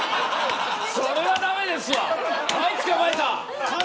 それは駄目ですよ。